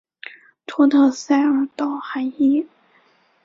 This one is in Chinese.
托特塞尔道海伊。